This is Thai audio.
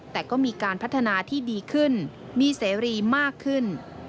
แต่ก็มีการพัฒนาที่ดีขึ้นมีเสรีมากขึ้น